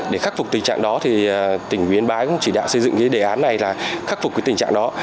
để khắc phục tình trạng đó tỉnh yên bái cũng chỉ đạo xây dựng đề án này là khắc phục tình trạng đó